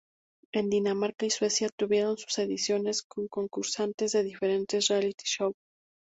En Dinamarca y Suecia tuvieron sus ediciones con concursantes de diferentes reality shows.